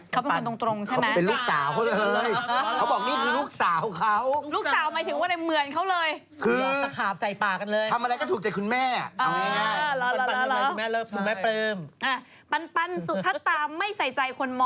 เขาเป็นคนตรงใช่ไหม